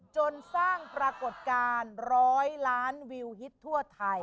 จนสร้างปรากฏการณ์๑๐๐ล้านวิวฮิตทั่วไทย